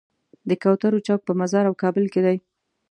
د کوترو چوک په مزار او کابل کې دی.